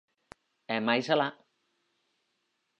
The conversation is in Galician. E máis alá.